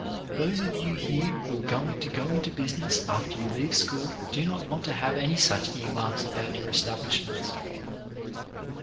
Those of you here who are going to go into business after you leave school do not want to have any such earmarks about your establish ments.